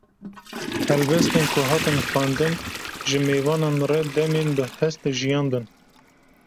Helbestên ku hatin xwendin, ji mêvanan re demên bi hest jiyandin